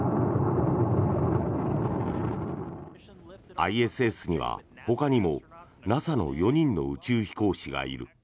ＩＳＳには、ほかにもＮＡＳＡの４人の宇宙飛行士がいる。